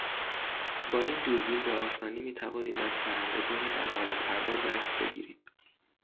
با این دوربین به آسانی میتوانید از پرندگان در حال پرواز عکس بگیرید.